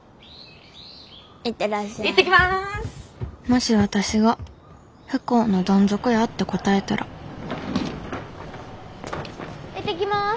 もし私が「不幸のどん底や」って答えたら行ってきます。